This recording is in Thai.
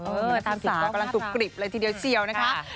เออตามศึกษากำลังตุกกริบอะไรทีเดียวเชี่ยวนะคะ